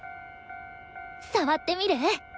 触ってみる？